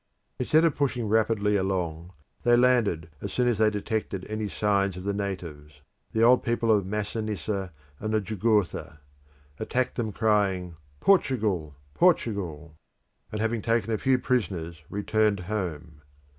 Instead of pushing rapidly along, they landed as soon as they detected any signs of the natives the old people of Masinissa and Jugurtha attacked them crying, Portugal! Portugal! and having taken a few prisoners returned home.